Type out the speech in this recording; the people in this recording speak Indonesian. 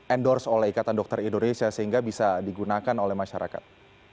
endorse oleh ikatan dokter indonesia sehingga bisa digunakan oleh masyarakat